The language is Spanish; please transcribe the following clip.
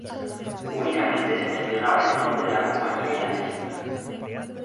Únicamente se mencionaba el nombre de la compañía y la película.